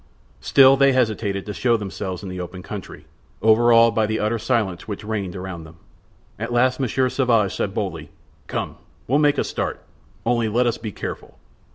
Still, they hesitated to show themselves in the open country, overawed by the utter silence which reigned around them. At last Monsieur Sauvage said boldly: "Come, we'll make a start; only let us be careful!"